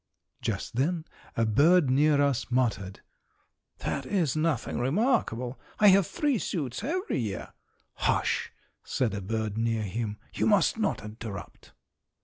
Just then a bird near us muttered: "That is nothing remarkable. I have three suits every year." "Hush," said a bird near him, "you must not interrupt."